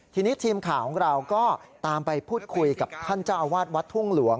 ทีนี้ทีมข่าวของเราก็ตามไปพูดคุยกับท่านเจ้าอาวาสวัดทุ่งหลวง